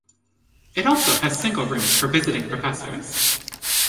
It also has single rooms for visiting professors.